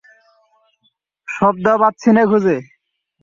শব্দ পাচ্ছি নে খুঁজে।